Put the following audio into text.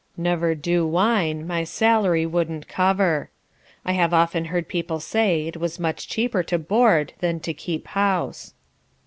Never do, wine, my salary wouldn't cover. I have often heard people say it was much cheaper to board than to keep house."